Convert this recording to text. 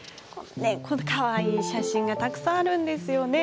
かわいい写真がたくさんあるんですよね。